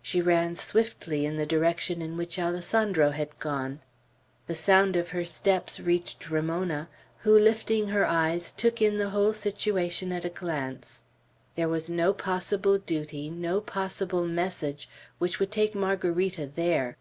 She ran swiftly in the direction in which Alessandro had gone. The sound of her steps reached Ramona, who, lifting her eyes, took in the whole situation at a glance. There was no possible duty, no possible message, which would take Margarita there.